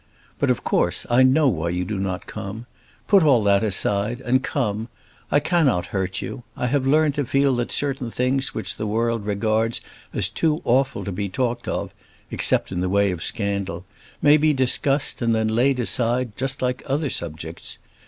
But of course I know why you do not come. Put all that aside, and come. I cannot hurt you. I have learned to feel that certain things which the world regards as too awful to be talked of, except in the way of scandal, may be discussed and then laid aside just like other subjects.